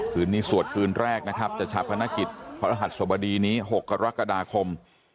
คืนนี้สวดคืนแรกนะครับจะชาปนกิจพระรหัสสบดีนี้๖กรกฎาคม